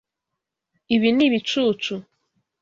Ibi ni ibicucu.